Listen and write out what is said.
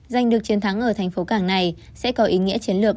giành được chiến thắng ở thành phố cảng này sẽ có ý nghĩa chiến lược